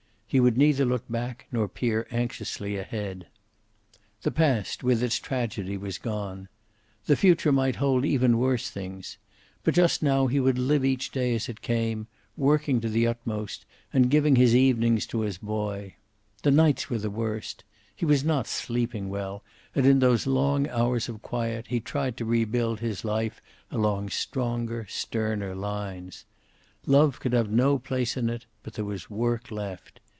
He would neither look back nor peer anxiously ahead. The past, with its tragedy, was gone. The future might hold even worse things. But just now he would live each day as it came, working to the utmost, and giving his evenings to his boy. The nights were the worst. He was not sleeping well, and in those long hours of quiet he tried to rebuild his life along stronger, sterner lines. Love could have no place in it, but there was work left.